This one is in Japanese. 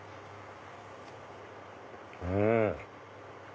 うん！